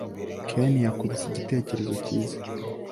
Ken yakubise igitekerezo cyiza